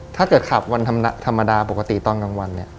ถ้าเกิดขับวันธรรมดาปกติตอนกลางวันเนี่ย